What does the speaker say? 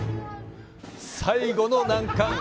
最後の難関！